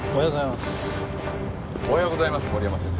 おはようございます森山先生。